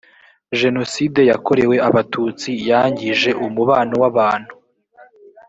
jenoside yakorewe abatutsi yangije umubano wabantu.